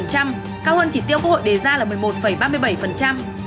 cao hơn chỉ tiêu quốc hội đề ra là một mươi một ba mươi bảy